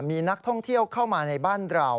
มีนักท่องเที่ยวเข้ามาในบ้านเรา